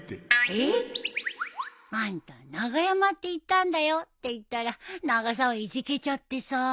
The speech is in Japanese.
えっ！？あんた長山って言ったんだよって言ったら永沢いじけちゃってさ。